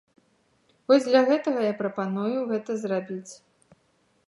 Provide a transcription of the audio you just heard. Вось для гэтага я прапаную гэта зрабіць.